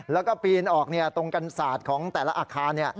แล้วก็ปีนออกตรงกันศาสตร์ของแต่ละอาคาร